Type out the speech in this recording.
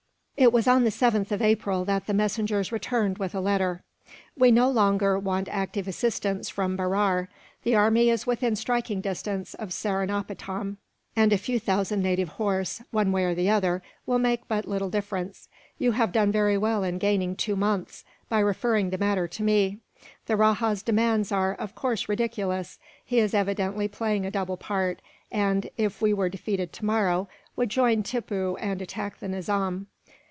It was on the 7th of April that the messengers returned, with a letter: "We no longer want active assistance from Berar. The army is within striking distance of Seringapatam, and a few thousand native horse, one way or another, will make but little difference. You have done very well in gaining two months, by referring the matter to me. The rajah's demands are, of course, ridiculous. He is evidently playing a double part and, if we were defeated tomorrow, would join Tippoo and attack the Nizam.